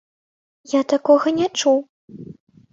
Я такога не чуў.